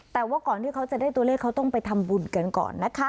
แต่ว่าก่อนที่เขาจะได้ตัวเลขเขาต้องไปทำบุญกันก่อนนะคะ